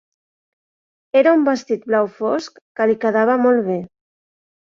Era un vestit blau fosc que li quedava molt bé.